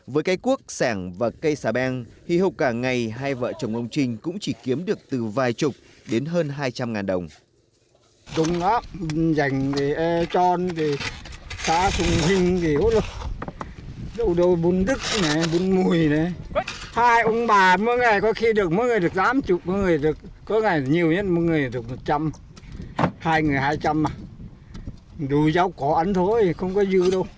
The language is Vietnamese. với cây cuốc sẻng và cây xà beng hy hục cả ngày hai vợ chồng ông trinh cũng chỉ kiếm được từ vài chục đến hơn hai trăm linh đồng